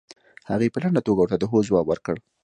هغې په لنډه توګه ورته د هو ځواب ورکړ.